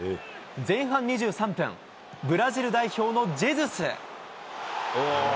前半２３分、ブラジル代表のジェズス。